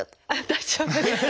大丈夫です。